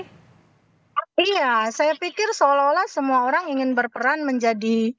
iya saya pikir seolah olah semua orang ingin berperan menjadi